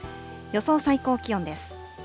予想最高気温です。